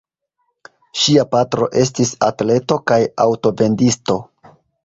Ŝia patro estis atleto kaj aŭtovendisto.